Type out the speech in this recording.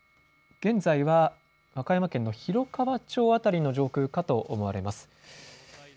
現在は和歌山県の広川町辺りの上空かと思われます。